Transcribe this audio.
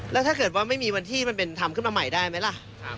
แล้วถ้าเกิดว่าไม่มีวันที่มันเป็นธรรมขึ้นมาใหม่ได้ไหมล่ะ